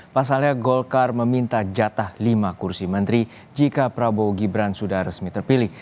pasalnya golkar meminta jatah lima kursi menteri jika prabowo gibran sudah resmi terpilih